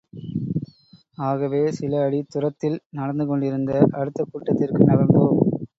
ஆகவே, சில அடி துரத்தில் நடந்து கொண்டிருந்த அடுத்த கூட்டத்திற்கு நகர்ந்தோம்.